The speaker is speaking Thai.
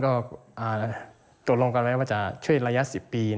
ก็ตกลงกันไว้ว่าจะช่วยระยะ๑๐ปี